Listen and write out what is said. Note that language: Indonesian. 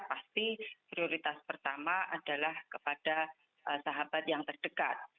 pasti prioritas pertama adalah kepada sahabat yang terdekat